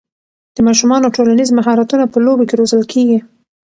د ماشومانو ټولنیز مهارتونه په لوبو کې روزل کېږي.